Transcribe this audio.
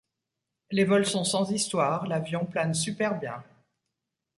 Les vols sont sans histoires, l'avion plane super bien.